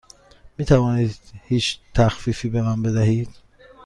می توانید هیچ تخفیفی به من بدهید؟